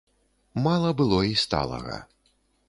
Мала было і сталага.